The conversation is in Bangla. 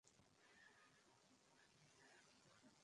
তারা কোথায় আমি জানি না।